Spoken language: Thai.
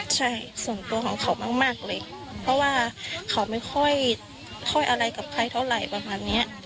ใช่ส่วนตัวของเขามากเลยเพราะว่าเขาไม่ค่อยอะไรกับใครเท่าไหร่ประมาณเนี้ย